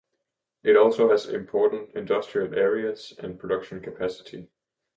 It also has important industrial areas and production capacity.